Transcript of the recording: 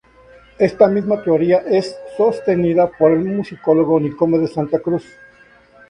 Esta misma teoría es sostenida por el musicólogo Nicomedes Santa Cruz.